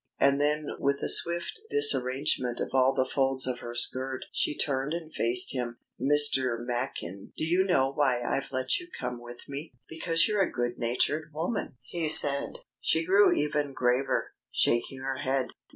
And then with a swift disarrangement of all the folds of her skirt she turned and faced him. "Mr. Machin, do you know why I've let you come with me?" "Because you're a good natured woman," he said. She grew even graver, shaking her head.